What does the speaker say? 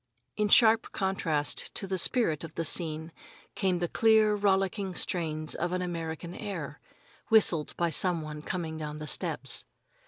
In sharp contrast to the spirit of the scene came the clear, rollicking strains of an American air, whistled by some one coming down the steps.